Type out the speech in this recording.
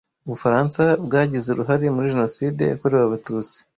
Ubufaransa bwagize uruhare muri jenoside yakorewe abatutsi